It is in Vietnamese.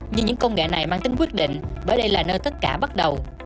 nhưng những công nghệ này mang tính quyết định bởi đây là nơi tất cả bắt đầu